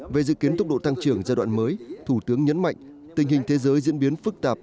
về dự kiến tốc độ tăng trưởng giai đoạn mới thủ tướng nhấn mạnh tình hình thế giới diễn biến phức tạp